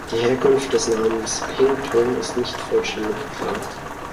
Die Herkunft des Namens „Pingtung“ ist nicht vollständig klar.